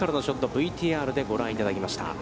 ＶＴＲでご覧いただきました。